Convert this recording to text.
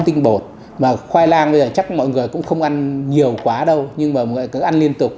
tinh bột mà khoai lang bây giờ chắc mọi người cũng không ăn nhiều quá đâu nhưng mà mọi cứ ăn liên tục